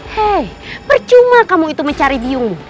hei percuma kamu itu mencari biung